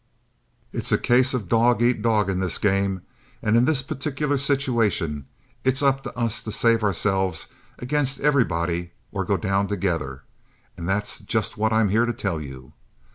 It's a case of dog eat dog in this game and this particular situation and it's up to us to save ourselves against everybody or go down together, and that's just what I'm here to tell you.